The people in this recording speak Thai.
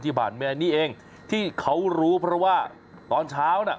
ที่ผ่านมานี่เองที่เขารู้เพราะว่าตอนเช้าน่ะ